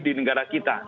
di negara kita